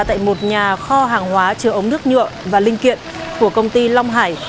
tại một nhà kho hàng hóa chứa ống nước nhựa và linh kiện của công ty long hải